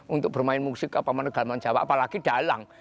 untuk bermain musik apa menegak menegak jawa apalagi dalang